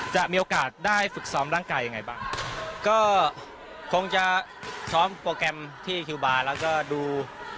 จะมีโอกาสได้ฝึกซ้อมร่างกายยังไงบ้างก็คงจะซ้อมโปรแกรมที่คิวบาร์แล้วก็ดู